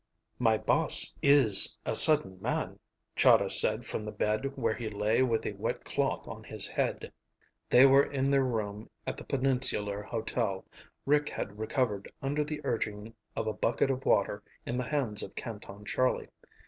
"My boss is a sudden man," Chahda said from the bed where he lay with a wet cloth on his head. They were in their room at the Peninsular Hotel. Rick had recovered under the urging of a bucket of water in the hands of Canton Charlie.